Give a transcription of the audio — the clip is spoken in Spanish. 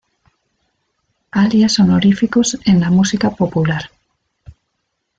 Alias honoríficos en la música popular.